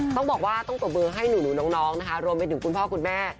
ต้องบอกว่าต้องปรบมือให้หนูน้องนะคะรวมไปถึงคุณพ่อคุณแม่